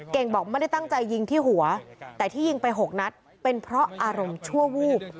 บอกไม่ได้ตั้งใจยิงที่หัวแต่ที่ยิงไป๖นัดเป็นเพราะอารมณ์ชั่ววูบ